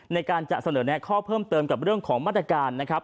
ในการจะเสนอแนะข้อเพิ่มเติมกับเรื่องของมาตรการนะครับ